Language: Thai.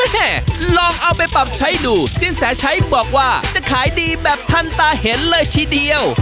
ลองเอาไปปรับใช้ดูสินแสชัยบอกว่าจะขายดีแบบทันตาเห็นเลยทีเดียว